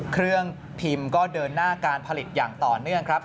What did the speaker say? เครื่องพิมพ์ก็เดินหน้าการผลิตอย่างต่อเนื่องครับ